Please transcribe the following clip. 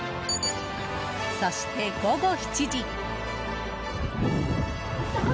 そして、午後７時。